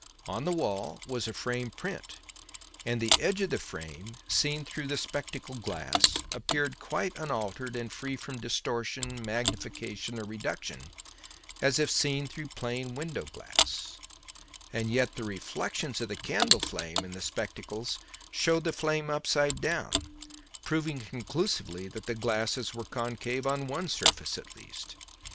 On the wall was a framed print; and the edge of the frame, seen through the spectacle glass, appeared quite unaltered and free from distortion, magnification or reduction, as if seen through plain window glass; and yet the reflections of the candle flame in the spectacles showed the flame upside down, proving conclusively that the glasses were concave on one surface at least.